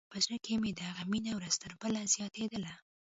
په زړه کښې مې د هغه مينه ورځ تر بلې زياتېدله.